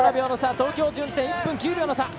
東京、順天、１分９秒の差。